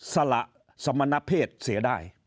สละสมณเพศเสียได้